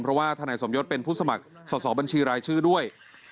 เพราะว่าทนายสมยศเป็นผู้สมัครสอบบัญชีรายชื่อด้วย